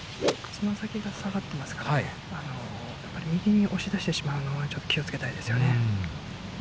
つま先が下がってますからね、やっぱり右に押し出してしまうのはちょっと気をつけたいですよね。